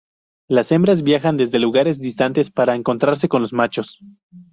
Las hembras viajan desde lugares distantes, para encontrarse con los machos.